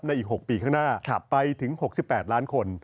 อีก๖ปีข้างหน้าไปถึง๖๘ล้านคน